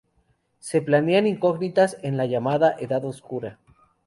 Se plantean incógnitas en la llamada Edad Oscura.